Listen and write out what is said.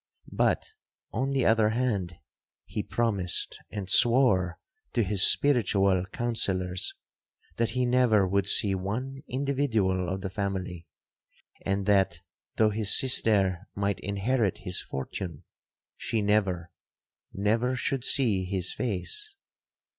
But, on the other hand, he promised and swore to his spiritual counsellors, that he never would see one individual of the family; and that, though his sister might inherit his fortune, she never—never should see his face.